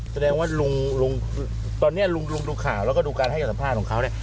แสดงว่าลุงตอนนี้ลุงดูข่าวแล้วก็ดูการให้การสัมภาษณ์ของเขาเนี่ย